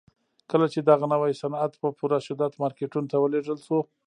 کله چې دغه نوي صنعت په پوره شدت مارکيټونو ته ولېږل شو.